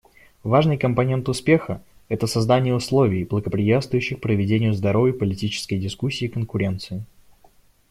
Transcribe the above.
Важный компонент успеха — это создание условий, благоприятствующих проведению здоровой политической дискуссии и конкуренции.